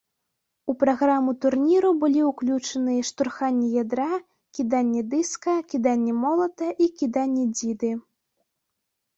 У праграму турніру былі ўключаны штурханне ядра, кіданне дыска, кіданне молата і кіданне дзіды.